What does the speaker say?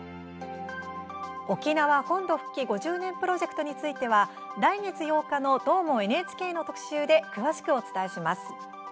「沖縄本土復帰５０年」プロジェクトについては来月８日の「どーも、ＮＨＫ」の特集で詳しくお伝えします。